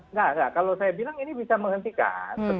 nggak kalau saya bilang ini bisa menghentikan